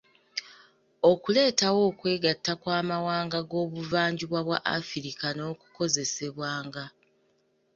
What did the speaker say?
Okuleetawo okwegatta kw'amawanga g'obuvanjuba bwa Afrika n'okukozesebwanga.